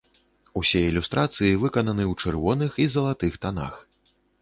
Усе ілюстрацыі выкананы ў чырвоных і залатых танах.